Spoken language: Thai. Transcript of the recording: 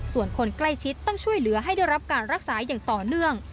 ส่วนคนใกล้ชิดต้องช่วยเหลือให้ได้รับการรักษาอย่างต่อเนื่อง